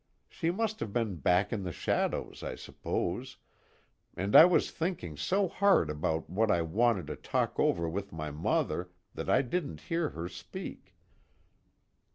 She must have been back in the shadows, I suppose, and I was thinking so hard about what I wanted to talk over with my mother that I didn't hear her speak."